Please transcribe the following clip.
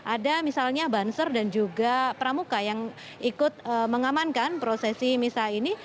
ada misalnya banser dan juga pramuka yang ikut mengamankan prosesi misa ini